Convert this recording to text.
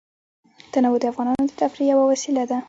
تنوع د افغانانو د تفریح یوه وسیله ده.